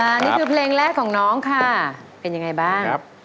อันนี้คือเพลงแรกของน้องค่ะเป็นยังไงบ้าง